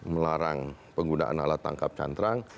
melarang penggunaan alat tangkap cantrang